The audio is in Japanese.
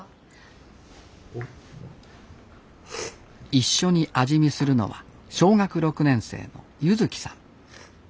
一緒に味見するのは小学６年生の柚希さん。